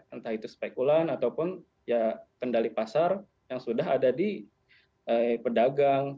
entah itu spekulan ataupun ya kendali pasar yang sudah ada di pedagang